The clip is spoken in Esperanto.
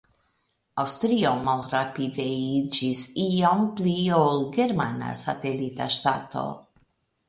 Aŭstrio malrapide iĝis iom pli ol germana satelita ŝtato.